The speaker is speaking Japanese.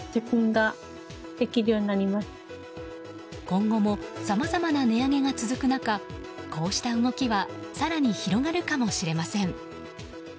今後もさまざまな値上げが続く中こうした動きは更に広がるかもしれません。